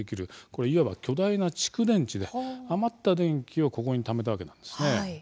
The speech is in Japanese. これ、いわば巨大な蓄電池で余った電気をここにためたわけなんですね。